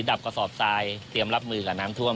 กระสอบทรายเตรียมรับมือกับน้ำท่วม